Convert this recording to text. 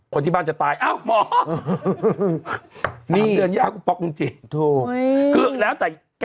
คนที่บ้านจะตายอ้าวหมอมีเดือนย่าคุณป๊อกจริงถูกคือแล้วแต่